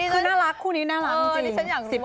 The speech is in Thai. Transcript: คือน่ารักคู่นี้น่ารักจริง